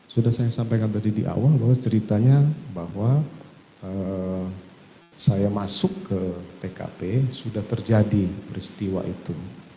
sudah saya sampaikan tadi di awal bahwa ceritanya bahwa saya masuk ke tkp sudah terjadi peristiwa itu